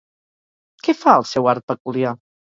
Què fa el seu art peculiar?